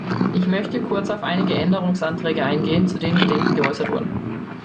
Ich möchte kurz auf einige Änderungsanträge eingehen, zu denen Bedenken geäußert wurden.